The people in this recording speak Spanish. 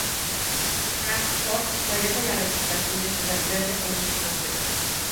Fráncfort merece la reputación de 'ciudad verde' en muchos aspectos.